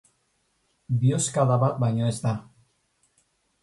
Bihozkada bat baino ez da.